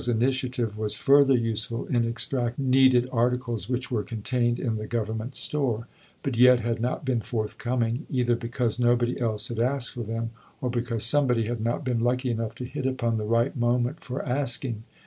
_ Miss Nightingale's initiative was further useful in extracting needed articles which were contained in the Government store, but yet had not been forthcoming, either because nobody else had asked for them, or because somebody had not been lucky enough to hit upon the right moment for asking.